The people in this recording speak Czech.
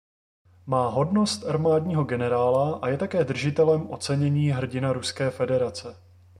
Má hodnost armádního generála a je také držitelem ocenění Hrdina Ruské federace.